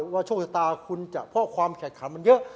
ว่าโชคชะตาคุณจะเพราะความแข่งขันมันเยอะ